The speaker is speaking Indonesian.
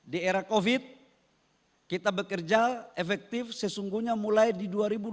di era covid kita bekerja efektif sesungguhnya mulai di dua ribu dua puluh